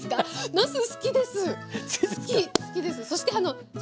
なすが好きですよ。